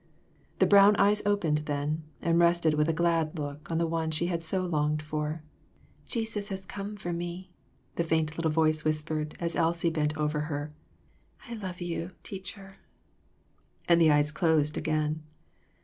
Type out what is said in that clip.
The brown eyes opened then and rested with a glad look on the one she had so longed for. "Jesus has come for me," the faint little voice whispered as Elsie bent over her; "I love you, teacher." And the eyes closed again.